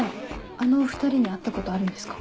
あのお２人に会ったことあるんですか？